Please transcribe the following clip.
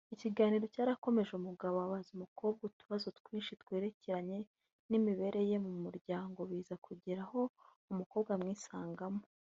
Ikiganiro cyarakomeje umugabo abaza umukobwa utubazo twinshi twerekeranye n’imibereho ye mu muryango biza kugera aho umukobwa amwisangamo